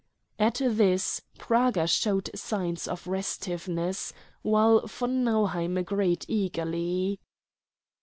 At this Praga showed signs of restiveness, while von Nauheim agreed eagerly.